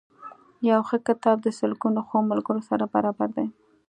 یو ښه کتاب د سلګونو ښو ملګرو سره برابر دی.